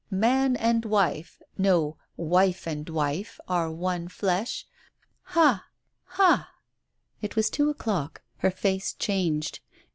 Man and wife — no, wife" and wife— are one flesh. ... Ha! Ha! ..." It was two o'clock, her face changed.